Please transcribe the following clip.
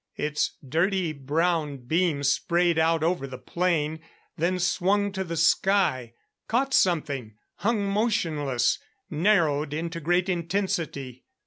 Its dirty brown beam sprayed out over the plain; then swung to the sky, caught something, hung motionless, narrowed into great intensity.